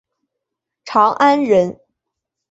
长安人。